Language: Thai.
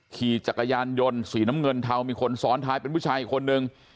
ขี่จักรยานยนต์สีน้ำเงินเทามีคนซ้อนท้ายเป็นผู้ชายอีกคนนึง